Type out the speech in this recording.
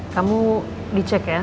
kamu dicek ya